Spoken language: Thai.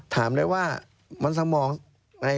ถามเลยว่ามันสมองไง